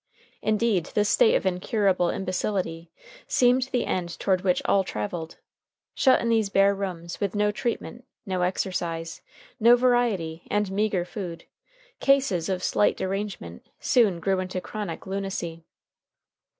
Indeed this state of incurable imbecility seemed the end toward which all traveled. Shut in these bare rooms, with no treatment, no exercise, no variety, and meager food, cases of slight derangement soon grew into chronic lunacy.